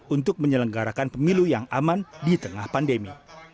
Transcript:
untuk menyelenggarakan pemilu yang aman di tengah pandemi